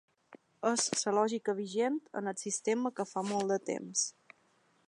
És la lògica vigent en el sistema de fa molt temps.